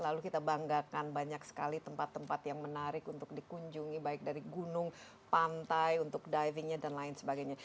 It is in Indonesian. lalu kita banggakan banyak sekali tempat tempat yang menarik untuk dikunjungi baik dari gunung pantai untuk divingnya dan lain sebagainya